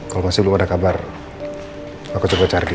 kalo masih belum ada kabar aku coba cari dia